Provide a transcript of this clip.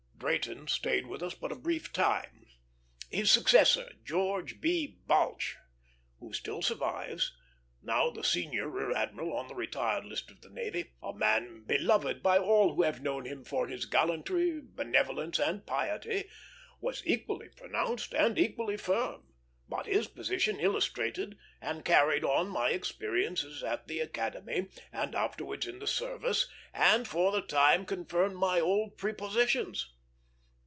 " Drayton stayed with us but a brief time. His successor, George B. Balch, who still survives, now the senior rear admiral on the retired list of the navy, a man beloved by all who have known him for his gallantry, benevolence, and piety, was equally pronounced and equally firm; but his position illustrated and carried on my experiences at the Academy, and afterwards in the service, and for the time confirmed my old prepossessions.